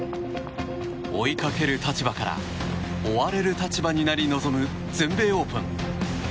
追いかける立場から追われる立場になり臨む全米オープン。